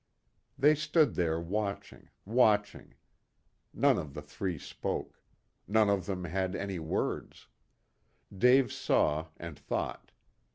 They stood there watching, watching. None of the three spoke. None of them had any words. Dave saw and thought.